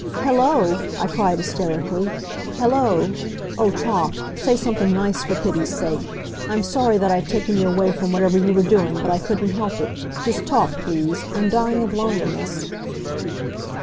"Hello!" I cried, hysterically. "Hello! Oh, talk! Say something nice, for pity's sake! I'm sorry that I've taken you away from whatever you were doing, but I couldn't help it. Just talk please! I'm dying of loneliness."